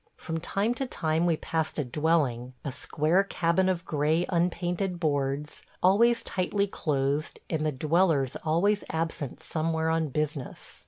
From time to time we passed a dwelling, a square cabin of gray unpainted boards, always tightly closed and the dwellers always absent somewhere on business.